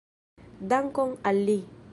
Dankon al li!